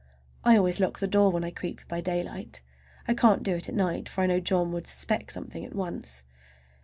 I always lock the door when I creep by daylight. I can't do it at night, for I know John would suspect something at once.